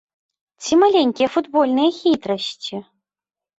Ці маленькія футбольныя хітрасці?